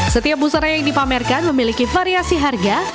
setiap busara yang dipamerkan memiliki variasi harga